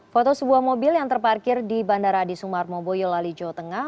foto sebuah mobil yang terparkir di bandara adi sumarmo boyolali jawa tengah